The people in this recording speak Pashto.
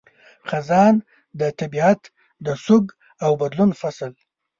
خزان – د طبیعت د سوګ او بدلون فصل